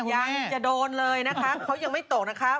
ยังจะโดนเลยนะคะเขายังไม่ตกนะคะ